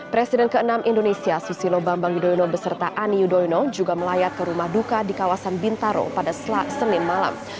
presiden ke enam indonesia susilo bambang yudhoyono beserta ani yudhoyono juga melayat ke rumah duka di kawasan bintaro pada senin malam